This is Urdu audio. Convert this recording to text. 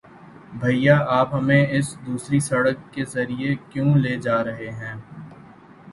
بھیا، آپ ہمیں اس دوسری سڑک کے ذریعے کیوں لے جا رہے ہو؟